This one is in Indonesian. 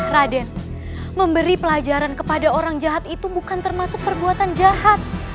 raden memberi pelajaran kepada orang jahat itu bukan termasuk perbuatan jahat